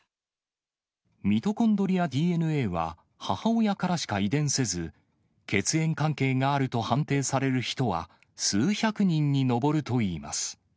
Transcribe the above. ミトコンドリアＤＮＡは、母親からしか遺伝せず、血縁関係があると判定される人は、数百人に上るといいます。